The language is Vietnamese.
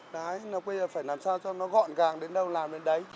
đấy là bây giờ phải làm sao cho nó gọn gàng đến đâu làm đến đấy